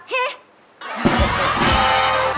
เฮะ